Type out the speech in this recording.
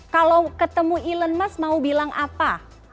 kalau ketemu elon musk mau bilang apa